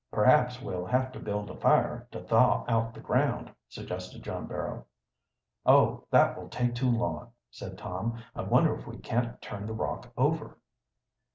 "Perhaps we'll have to build a fire, to thaw out the ground," suggested John Barrow. "Oh, that will take too long," said Tom. "I wonder if we can't turn the rock over?"